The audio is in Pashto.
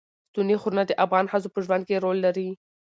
ستوني غرونه د افغان ښځو په ژوند کې رول لري.